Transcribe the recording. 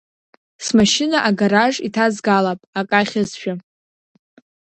Смашьына агараж иҭазгалап, ак ахьызшәа.